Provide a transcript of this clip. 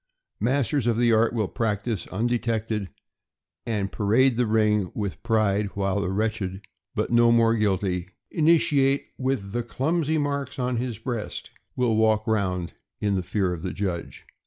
Masters of the art will practice undetected, and parade the ring with pride, while the wretched, but no more guilty, initiate, with the clumsy marks on his breast, will walk round in the fear of the judge.